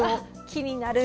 気になる。